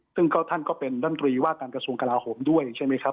ซึ่งท่านก็เป็นรัฐมนตรีว่าการกระทรวงกลาโหมด้วยใช่ไหมครับ